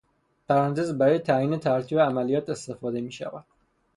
پرانتز برای تعیین ترتیب عملیات استفاده میشود